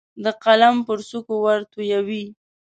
د قلم پر څوکو ورتویوي